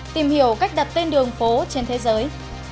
tìm hiểu cách đặt tên đường phố trên thế giới